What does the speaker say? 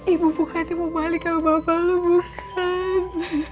ibu bukan ingin balik sama bapak lo bukan